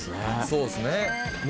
「そうですね」